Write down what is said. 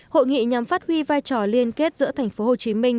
hội nghị nhằm phát huy vai trò liên kết giữa thành phố hồ chí minh